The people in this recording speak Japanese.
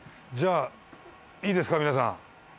じゃあいいですか皆さん。